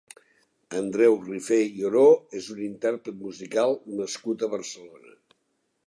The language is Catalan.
Andreu Rifé i Oro és un intérpret musical nascut a Barcelona.